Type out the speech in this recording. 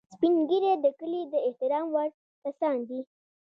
سپین ږیری د کلي د احترام وړ کسان دي